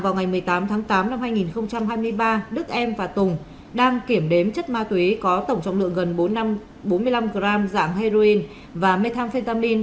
vào ngày một mươi tám tháng tám năm hai nghìn hai mươi ba đức em và tùng đang kiểm đếm chất ma túy có tổng trọng lượng gần bốn mươi năm g dạng heroin và methamphetamine